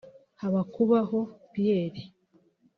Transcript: Habakubaho Pierre